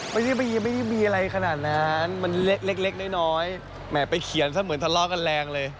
ไม่ได้มีอะไรขนาดนั้นมันเล็กน้อยแหม่ไปเขียนซะเหมือนทะเลาะกันแรงเลย